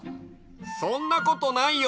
そんなことないよ。